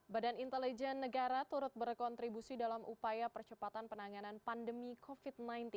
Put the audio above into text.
badan intelijen negara turut berkontribusi dalam upaya percepatan penanganan pandemi covid sembilan belas